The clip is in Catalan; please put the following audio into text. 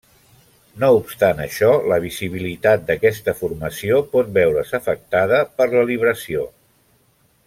No obstant això, la visibilitat d'aquesta formació pot veure's afectada per la libració.